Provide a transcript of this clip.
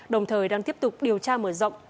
đồng thời đang tiếp tục điều tra mở rộng